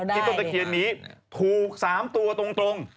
ต้นตะเคียนนี้ถูก๓ตัวตรง